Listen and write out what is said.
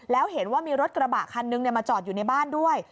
แล้วเห็นว่ามีรถกระบะคันนึงมาจอดอยู่ในบ้านด้วย